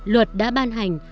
luật đã ban hành